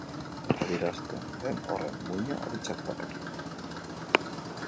Eta adierazten den horren muina aditzak dakar.